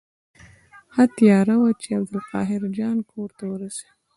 ښه تیاره وه چې عبدالقاهر جان کور ته ورسېدو.